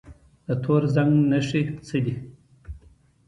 د تور زنګ نښې څه دي؟